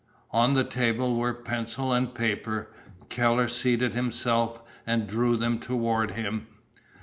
On the table were pencil and paper. Keller seated himself and drew them toward him.